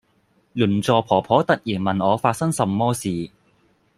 鄰座婆婆突然問我發生什麼事